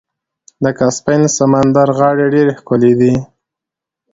د کسپین سمندر غاړې ډیرې ښکلې دي.